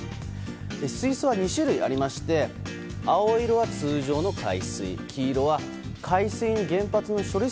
水槽は２種類ありまして青色は通常の海水黄色は海水に原発の処理